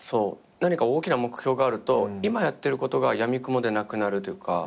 何か大きな目標があると今やってることがやみくもでなくなるというか。